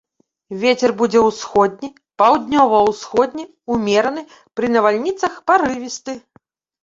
Вецер будзе ўсходні, паўднёва-ўсходні ўмераны, пры навальніцах парывісты.